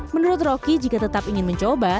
menurut roky jika tetap ingin mencoba